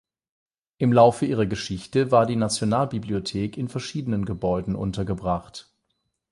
Im Laufe ihrer Geschichte war die Nationalbibliothek in verschiedenen Gebäuden untergebracht.